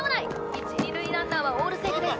一二塁ランナーはオールセーフです